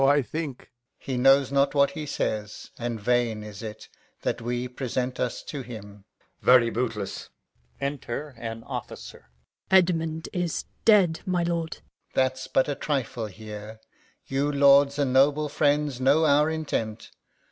Lear. Ay, so I think. Alb. He knows not what he says; and vain is it That we present us to him. Edg. Very bootless. Enter a Captain. Capt. Edmund is dead, my lord. Alb. That's but a trifle here. You lords and noble friends, know our intent.